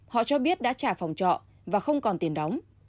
họ cho biết đã trả phòng trọ và không còn tiền đóng